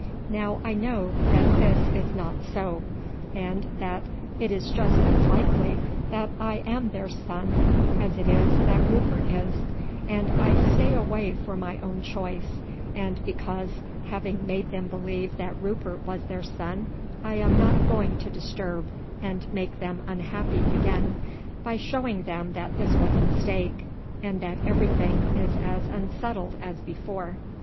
Now I know that this is not so, and that it is just as likely that I am their son as it is that Rupert is; and I stay away for my own choice, and because, having made them believe that Rupert was their son, I am not going to disturb and make them unhappy again by showing them that this was a mistake, and that everything is as unsettled as before.